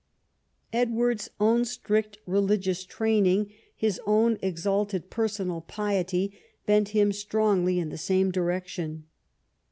Edward's own strict religious training, his own exalted personal piety, bent him strongly in the same direction.